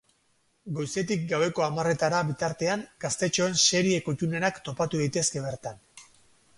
Goizetik gaueko hamarretara bitartean gaztetxoen serie kuttunenak topatu daitezke bertan.